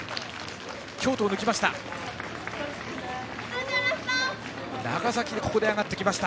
京都を抜きました。